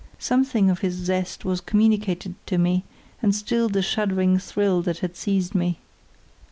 Something of his zest was communicated to me, and stilled the shuddering thrill that had seized me.